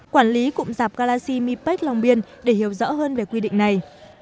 quản lý cụm dạp galaxy mipac long biên để hiểu rõ hơn về quy định này